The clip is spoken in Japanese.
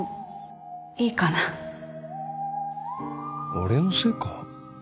俺のせいか？